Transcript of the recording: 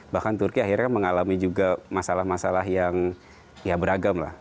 bahkan turki akhirnya mengalami juga masalah masalah yang ya beragam lah